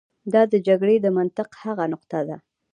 دا د جګړې د منطق هغه نقطه ده.